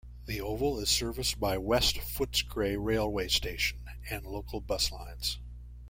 The oval is serviced by West Footscray railway station and local bus lines.